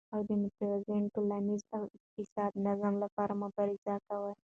او د متوازن ټولنيز او اقتصادي نظام لپاره مبارزه کوي،